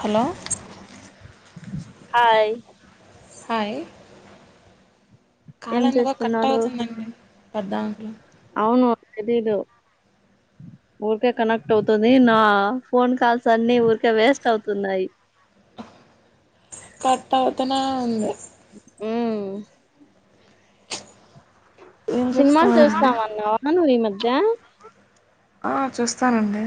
Hello hi hi ఏం call ఎందుకో cut చేస్తున్నారు అవుతుందండి హద్ద అవును తెలీదు ఊరికే కనెక్ట్ అవుతది నా ఫోన్ కాల్స్ అన్ని ఊరికే వేస్ట్ అవుతున్నాయి కట్ అవుతూనే ఉంది మ్మ్ ఏం సినిమాలు చూస్తామండి చూస్తామన్నావు గా ఈ మధ్ ఇదా ఆ చూస్తానండి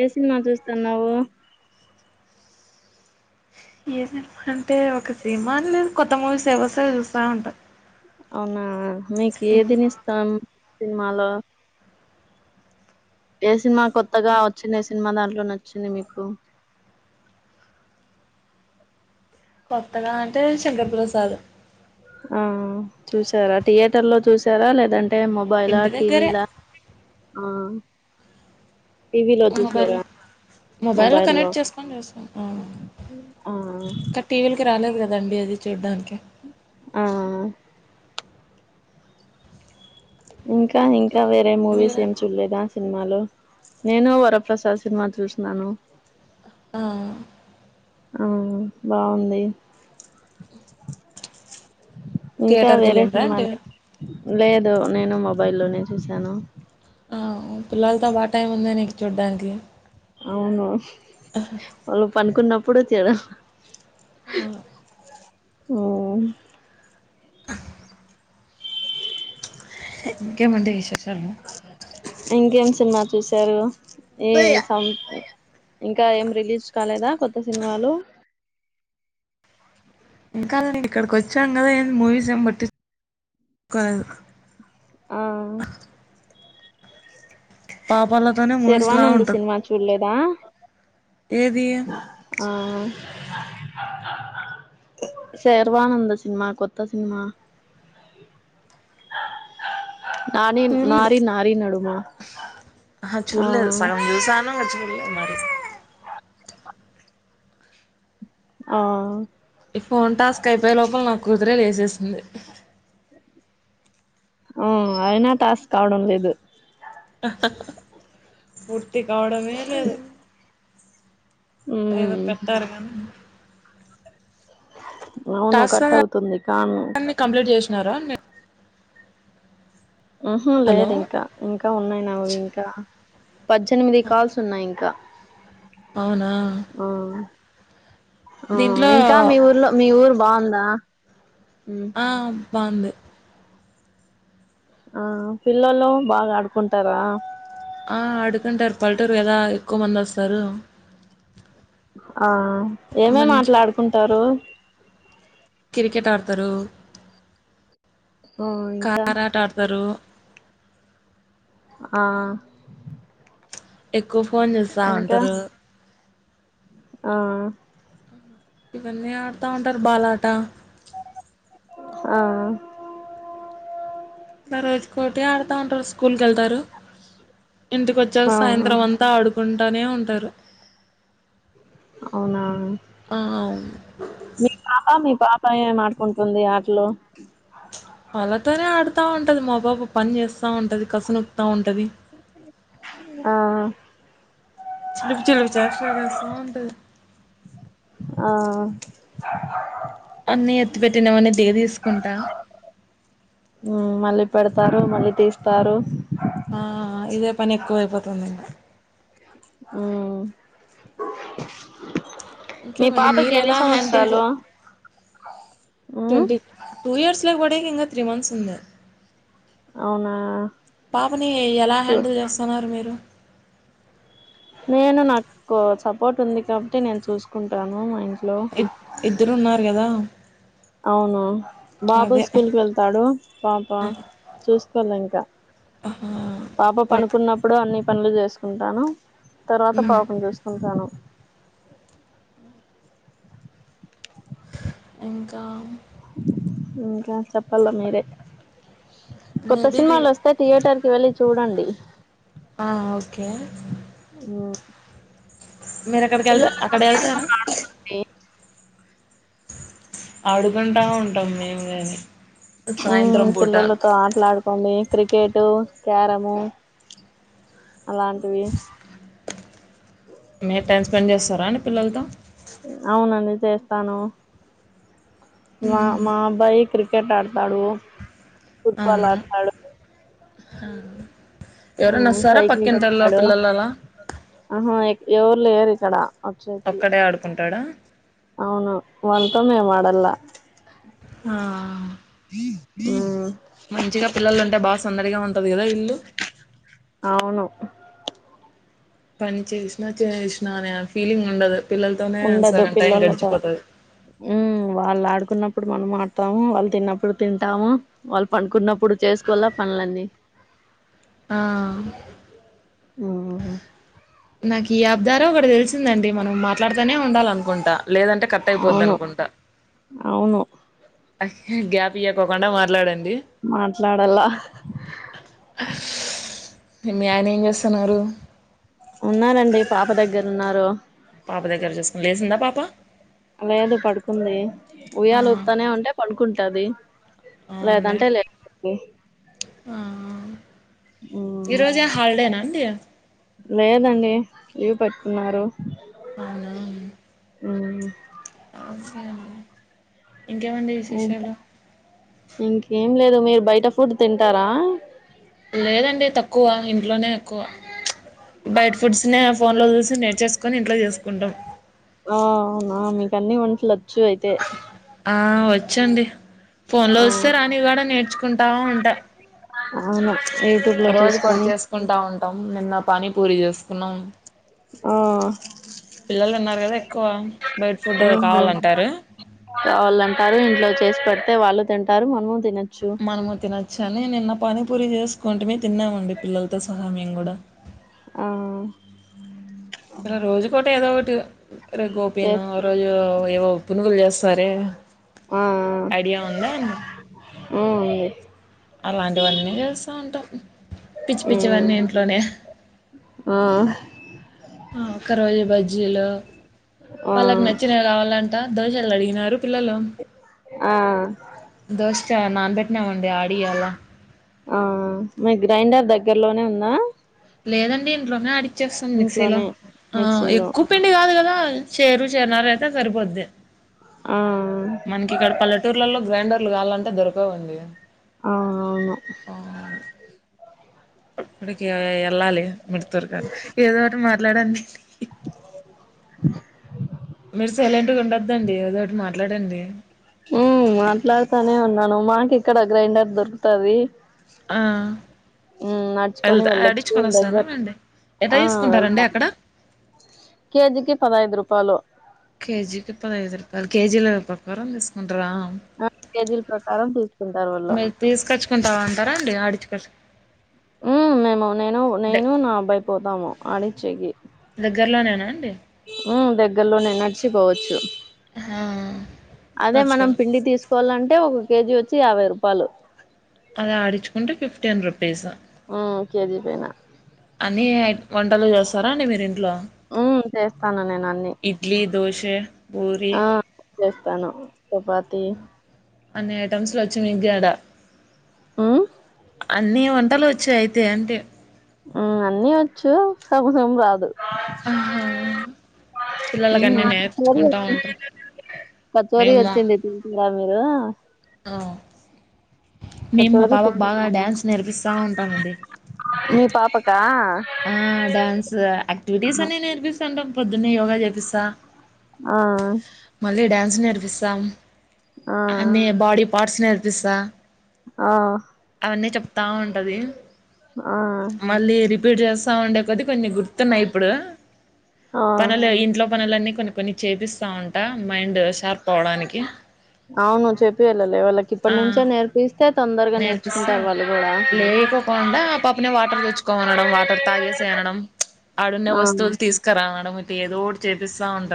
ఏ సినిమా చూస్తన్నావు ఇజ హ అంటే ఒక సినిమాన్లేదు కొత్త మూవీస్ ఏవొస్సే చూస్తా ఉంటా అవునా మీకు ఏదినిస్తాం సినిమాలో ఏ సినిమా కొత్తగా వచ్చిండే సినిమా దాంట్లో నచ్చింది మీకు కొత్తగా అంటే శంకర్ప్రసాద్ ఆ చూసారా థియేటర్ లో చూసారా లేదన్ టే మొబైలా ఇంటి దగ్గరే టీవీలా ఆ టీవీలో మొబైల్లో చూసారా మొబైల్లో కనెక్ట్ చేసుకొని చూస్తాను ఆ ఇంక టీవీలకి రాలేదు కదండి అది చూడ్డానికి ఆ ఇంకా ఇంక్ ఇంకా వేరే మూవీస్ మీరా ఏం చూడలేదా సినిమాలో నేను వరప్రసాద్ సినిమా చూసినాను ఆ ఆ బాగుంది ఇంకా థియేటర్కి వేరే వెళ్ళిండ్రా అండి సినిమాలు లేదు నేను మొబైల్లోనే చూశాను ఆ పిల్లలతో బాగా టైం ఉందే నీకు చూడ్డానికి అవును వాళ్ళు పండుకున్నప్పుడు ఎప్పుడు చెర ఆ ఆ ఇంకేమండి విశేషాలు ఇంకేం సినిమా చూసారు ఏ సం ఇంకా ఏం రిలీజ్ కాలేదా కొత్త సినిమాలు అ ఇంకా అండి ఇక్కడికి వచ్చాం కదా ఎం మూవీస్ ఏం బట్టి. కాదు ఆ పాపాలతోనే మూవీస్ లా శర్వానంద్ ఉంటది సినిమా చూడలేదా ఏది ఆ శర్వానంద్ సినిమా కొత్త సినిమా నారి నారి నారి నడుమా ఆహ చూడలేదు సగం చూసాను చూ [unintelligible] ఆ జస్ట్ లే ఆ అయిన టాస్క్ కావడం లేదు ప కావడమే లేదు ఏదో అవునా పెట్టారుగా అవును కట్ అవుతుంది కాను టాస్క్లన్ని కంప్లీట్ చేసినారా [inaudible] ఉ హు హలో లేదు ఇంకా ఇంకా ఉన్నాయి నావి ఇంకా పద్దేనిమిది కాల్స్ ఉన్నాయి ఇంకా అవునా ఆ ఆ దీంట్లో ఇంకా మీ ఊర్లో మీ ఊరు బాగుందా ఉమ్ ఆ బావుంది ఆ పిల్లలు బాగా ఆడుకుంటారా ఆ అడుకుంటారు పల్టూరు గదా ఎక్కువ మంది వస్తారు ఆ మంచి ఏమేమాట్లాడుకుంటారు క్రికెట్ ఆడతారు ఆ ఇంకా కారాట ఆడతారు ఆ ఎక్కు ఫోన్ జూస్తా ఇంకా ఉంటారు ఆ ఇవన్నీ ఆడతా ఉంటారు బాల ఆట ఆ మ రోజుకోటి ఆడుతా ఉంటారు స్కూల్ క వెళ్తారు ఇంటికి వచ్చారు ఆ సాయంత్రం అంతా ఆడుకుంటే టానే ఉంటారు అవునా ఆ మీ పాపా మీ పాపా పయన ఆడుకుంటుంది. ఆటలో వాళ్లతోనే ఆడుతాఉంటది మా బాబు పని జేస్ వస్తా ఉంటది కసునుత్తా ఉంటది ఆ చిలుపు చిలుపు చేష్టలు జేస్తా ఉంటది. ఆ అన్నీ ఎత్తి పెట్టటినవన్ని దీసుకుంటా ఉమ్ మళ్ళీ పెడతారు మళ్ళీ తీస్తారు. ఆ ఇదే పని ఎక్కువ అయిపోతుంది. ఉ ఇంకేమండి, మీరు ఎలా handle um twenty two years కి బడేకి ఇంక త్రీ మంత్స్ ఉంది. అవునా పాపని ఎలా హ్యాండిల్ జేస్తన్నారు. మీరు నేను నాకు సపోర్ట్ ఉంది కాబట్టి నేను చూసుకుంటాను మా ఆయనకి ఇ ఇద్దరు ఉన్నారు కదా. ఆ అవును బాబు స్కూల్ కి వెళ్తాడు పాప చూస్త కొలేంకా ఆహా పాప ఓకే పనుకున్నప్పుడు అన్ని. పన్లు జేసుకుంటాను. తర్వాత మ్మ్ పాపను జూసుకుంటాను. ఇంకా ఇంకా చప్పల్ల మీరే కొత్త మేబీ ది సినిమాలు వస్తే థియేటర్ కి వెళ్ళి చూడండి. ఇ ఆ ఓకే ఉ మీరు అక్కడికి వెళ్తా పిల్లలతో అక్కడ మీరు వెళ్తారా. కూడా ఆడుకోండి ఆడుకుంటా ఉంటాం మేము కాని ఉమ్ పిల్లలతో ఆటలాడుకోండి క్రికెట్ క్యారము. అలాంటివి మీ టైం స్పెండ్ చేస్తారా అండి పిల్లలతో ఉ అవునండి చేస్తాను. మా మాఅబ్బాయి క్రిక్ క్రికెట్ ఆడతాడు ఫుట్బల్ ఆడతాడు హా ఉమ్ సైకిలి తోకుతాడు పిల్లలు అలా ఆహా ఎవరు లేరు ఇక్కడ వాచెకి ఒక్కడే ఆడుకుంటాడా అవును వాంతో మెమ్ అడాలా ఆ ఉమ్ మంచిగా పిల్లలుంటే బా సందడిగా ఉంటది కదా ఇల్లు అవును పని చేష్ణ చేషణనే ఫీలింగ్ ఉండది ఉండదు పిల్లలతో ఉమ్ వాళ్ళు ఆడుకున్నప్పుడు ఇప్పుడు మనం ఆడతాము వాళ్ళు తిన్నప్పుడు తింటాము వాళ్ళు పడుకున్నప్పుడు చేసుకోవాల పనులన్నీ ఆ ఉమ్ నాకు ఈ అబ్దారో ఒకడ తెలిసిందండి మనం మాట్లాడుతనే ఉండాల అనుకుంటా లేదంటే కట్ అయిపోద్ద అవును అనుకుంటా అవును గ్యాప్ ఇ్యకోకుండా మాట్లాడం మాట్లాడలా మీ అయినా ఏం చేస్తున్నారు ఉన్నారంండి పాప దగ్గర ఉన్నారు పాప దగ్గర చూసుకుని లేసిందా పాప లేదు పడుకుంది ఆ ఉయ్యాల వతానే ఉంటే పడుకుం ట్టది అవునులే ఆ ఉమ్, ఈరోజు హాలిడేనా అండి లేదండి ఇవి పెట్టున్నారు అవునా ఆ అ సరే అండి ఇంకేమండి విశేషాలు ఇంకేం లేదు మీరు బయట ఫుడ్ తింటారా లేదండి తక్కువ ఇంట్లోనే ఎక్కువ బయట ఫుడ్స్ని ఫోన్ లో చూసి నేర్చేస్ ఆ నా మీ కానీ వంటట్ల [unintelligible] ఆ వ చెడ్ [unintelligible] ఫోన్ లో వస్తే ఆ రానివి కూడా నేర్చుకుంటా వుంట అవును యూట్యూబ్ లో చూసుకొని చేసుకుంటా నిన్న పాని పూరి చేసుకున్నాం ఆ పిల్లలు ఉన్నారు కదా ఎక్కువ బయట ఫుడ్ కావాలంటారు వాళ్ళుంటారు ఇంట్లో చేసి పెడితే వాళ్ళు తింటారు మనము తినచ్చు మనము తి నా చాల నిన్న పానిపూరి చేసుకోంటమే తిన్నామండి పిల్లలతో సహా మేము కూడా ఆ ే చే గోపీను ఆ రోజు ఏవో పునుగులు చేస్త సరే ఆ ఐడియా ఉందా ఏంది ఆ అలాంటివన్నీ చేస్తా ఉంటాం పిచ్చి ఉమ్ పిచ్చివన్నీ ఇంట్లోనే ఆ ఆ ఒక రోజు బజ్జీలు ఆ వాళ్ళకి నచ్చినవి కావాలంటే అ దోశలు అడిగినారు పిల్లలు ఆ దోశ కి నానబెట్టినామండి ఆడియాలా ఆ ఆ లేదండి ఇంట్లోనే అడిచ్చేస్తాను మిక్సీలో ఇంట్లోనే ఆ మిక్సీలో ఎక్కువ పిండి కాదు కదా చేరు చేరున్నర అయితే సరిపోద్ది ఆ మనకి ఇక్కడ పల్లెటూర్లలో గ్రైండర్ అట్లు కావాలంటే దొరకవండి ఆ అవును ఆ! గుడికి ఆ ఎళ్ళాలి ఏదోటి మాట్లాడండి మీరు సైలెంట్ గా ఉండద్దండి ఏదోటి మాట్ ట్లాడండి మ్మ్ మాట్లాడుతానే ఉన్నాను మాకు ఇక్కడ గ్రైండర్ దొరుకుతది ఆ! మ్మ్ నడుచుకొని ఎళ్తా వెళ్ళొచ్చు ఆడిచ్చుకొనొస్తాను దగ్గర లెండి. ఎట్ట ఆ తీసుకుంటారండి వెళ్తాను అక్కడ? కేజీకి పదైదు రూప్ ఫలో కేజీకిి పదైదు రూపాయలు కేజీల ప్రకారం ఇస్తాను రా ఆ కేజీల ప్రకారం తీసుకుంటారు వాళ్ళు మీరు తీసుకొచ్చుకుంటావ అంటారా టే ఆడిచ్ కచ్ మ్మ్ మేము నేను నేను నా అబ్బాయి పోతాము ఆడిచ్చేకి దగ్గరలోనేనా అండి మ్మ్ దగ్గరలోనే నడిచి పోవచ్చు ఆ అదే నడుచుకో మనం పిండి తీసుకోవాలంటే ఒ కేజీ వచ్చి యాభై రూపాయలు అది ఆడిచ్చుకుంటే ఫిఫ్టీన్ రుపీస్ మ్మ్ కేజీ పైన అన్ని ఐ వంటలు చేస్తారా అండి మీరు ఇన్ ఊ చేస్తాను నేను అన్ని తే ఆ చేస్తాను చపాతి చనిగ్గడ మ్మ్ అన్నీ వంటలు వచ్చయితే అంటి మ్మ్ అన్ని వచ్చు సబు సబు రాదు ఆహా పిల్లలకన్ని మ్మ్ కచోరీ నేర్చుకుంటా ఉంట కచోరీ మేమ వచ్చింది తింటారా మీరు ఆ మేము మా కచోరీ పాపకు బాగా తింటారా డ్యాన్స్ నేర్పిస్తా ఉంటానండి పకా ఆ డాన్స్ ఆక్టివిటీస్ అన్ని నేర్పిస్తంటమ్ నే యోగ చేపిస్తా ఆ మళ్ళి డ్యాన్స్ జ్ నేర్పిస్సామ్ ఆ అన్ని బాడీ పార్ట్స్ నేర్ విసా ఆ అన్నీ చెప్తా ఉంటది ఆ మళ్ళీ చేస్తా ఉండే కొద్ది కొన్ని గుర్తున్నాయి ఇప్పుడు ఆ పనులే ఇంట్లో పనులన్నీ కొన్ని కొన్ని చేపిస్తా ఉంటా మైండ్ షార్ప్ అవడానికి అవును చెప్పి వెళ్ళాలి వాళ్ళకి ఇప్పటి ఆ నుంచే నేర్పిస్తే తొందరగా నేర్పిస్తే నేర్చుకుంటారు వాళ్ళు కూడా లేకోకుండా ఆ పాపని వాటర్ తెచ్చుకోమనడం వాటర్ తాగన ఆడు ఆ వస్తులు తీసుకు మటి ఏదో చె తెస్ ఉంట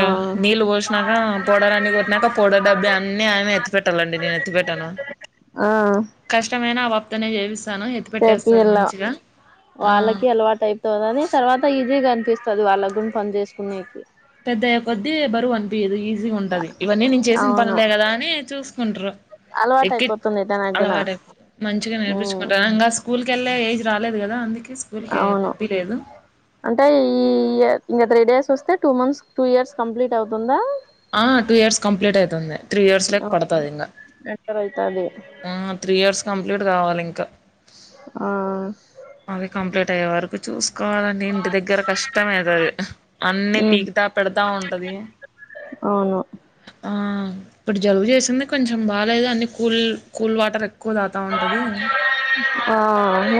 ఆ నీళ్లు పోసినాక పౌడర్ అన్ని కొట్టినాక పౌడర్ డబ్బి అన్ని ఆ ఎత్తి పెెట్టాలండి నేను ఎత్తి పెెట్టాను ఆ కష్టమైనా తనే ఏవి ను ఎత్తి పెట్టేస్తారు లా వాళ్ళకి అలవాటు అయితుంది అని తర్వాత ఈజీగా కనిపిస్తుంది చదువువాళ్ళ గు పని చేసుకునేకి పెద్దయ్యే కొద్దీ బరువు అనిపియదు ఈజీగా ఉంటది ఇవన్నీ నేను చేసిన అవును పనులే కదా అని చూసుకుంటారు అలవాటు ఎక్ అయిపోతుంది తనకు గున అలవాట మంచిగా ఉమ్ నేర్పించుకుంటారు స్కూల్కి వెళ్ళే ఏజ్ రాలే కదా అందుకు అవును అంటే ఈ ఇంకా త్రీ డేస్ చూస్తే two months two years complete అవుతుందా ఆ టూ ఇయర్స్ కంప్లీట్ ఐతుంది త్రీ ఇయర్స్ లోకి పడతాది ఇంగ తరైతాది ఆ త్రీ ఇయర్స్ కంప్లీట్ కావాలి ఇంక ఆ అవి కంప్లీట్ అయ్యే వరకు చూస్ కోవాలండి ఇంటి దగ్గర కష్టమైతాది అన్నీ ఉమ్ పీకుతా పెడతా ఉంటది అవును ఆ ఇప్పుడు జలుబు చేసింది కొంచెం బాలేదు అన్ని కూల్ కూల్ వాటర్ ఎక్కువ తాగుతా ఉంటది ఆ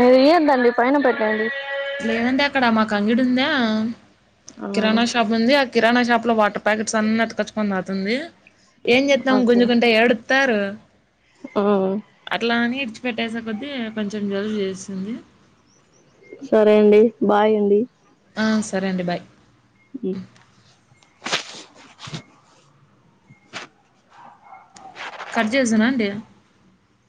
ఏ ఏందండి పైన పెట్టండి లేదంటే అక్కడ మాకు అంగిడుందా ఆ కిరాణా షాప్ ఉంది అ కిరాణా షాప్ లో వాటర్ ప్యాకెట్స్ అన్నీ ఎత్తకొచ్చుకొని తాగుతుంది ఏం చేత్తం ఓకే గుంజుకుంటే ఏడు తారు ఆ అట్లా అని ఇడిచిపెట్టేసే కొద్దీ కొంచెం జలుబు చేస్ ఏంది సరే అండి బాయ్ అండి ఆ సరే అండి బాయ్ ఉ [unintelligible] [inaudible] కట్ చేసినాండి